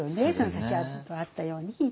さっきあったように。